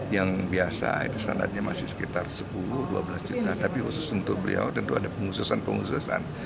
yang biasa itu standarnya masih sekitar sepuluh dua belas juta tapi khusus untuk beliau tentu ada pengususan pengususan